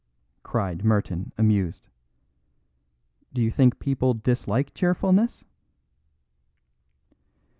cried Merton amused. "Do you think people dislike cheerfulness?"